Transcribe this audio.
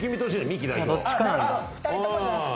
２人ともじゃなくて。